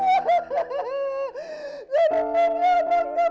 saya udah pernah nangis